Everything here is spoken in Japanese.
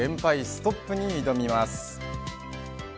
ストップに挑みます。